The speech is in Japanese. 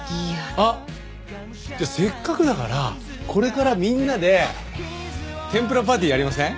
あっじゃあせっかくだからこれからみんなで天ぷらパーティーやりません？